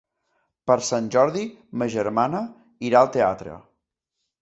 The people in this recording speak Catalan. Per Sant Jordi ma germana irà al teatre.